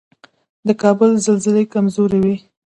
د کابل زلزلې کمزورې وي